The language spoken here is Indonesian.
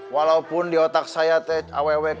walaupun di otak saya teh aww